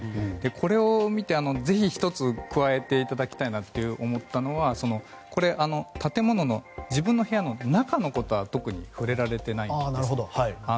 これを見てぜひ１つ加えていただきたいなと思ったのがこれは、建物の自分の部屋の中のことは特に触れられてないんです。